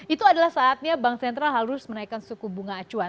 itu adalah saatnya bank sentral harus menaikkan suku bunga acuan